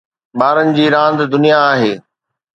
ٻارن جي راند دنيا آهي